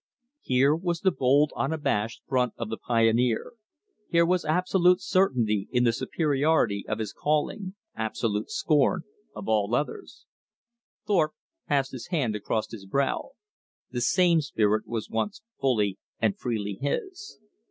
Here was the bold unabashed front of the pioneer, here was absolute certainty in the superiority of his calling, absolute scorn of all others. Thorpe passed his hand across his brow. The same spirit was once fully and freely his.